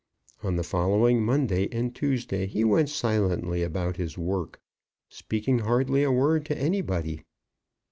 On the following Monday and Tuesday he went silently about his work, speaking hardly a word to anybody.